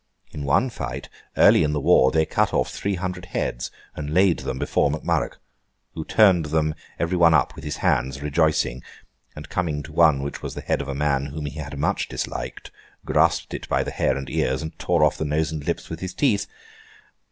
In one fight, early in the war, they cut off three hundred heads, and laid them before Mac Murrough; who turned them every one up with his hands, rejoicing, and, coming to one which was the head of a man whom he had much disliked, grasped it by the hair and ears, and tore off the nose and lips with his teeth.